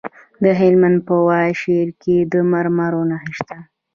د هلمند په واشیر کې د مرمرو نښې شته.